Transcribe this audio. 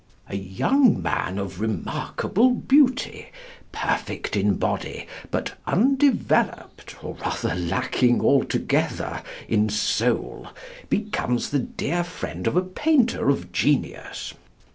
A young man of remarkable beauty, perfect in body, but undeveloped, or rather, lacking altogether, in soul, becomes the dear friend of a painter of genius.